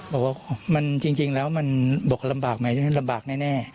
บอกว่ามันจริงแล้วมันบอกลำบากไหมลำบากแน่